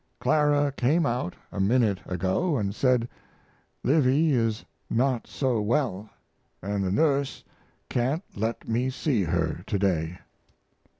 Clara came out a minute ago and said L ivy is not so well, and the nurse can't let me see her to day.